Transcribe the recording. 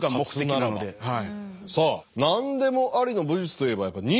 さあ何でもありの武術といえば忍術。